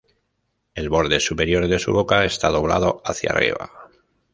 El borde superior de su boca está doblado hacia arriba.